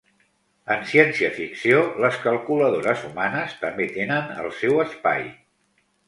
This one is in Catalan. En ciència-ficció, les calculadores humanes també tenen el seu espai.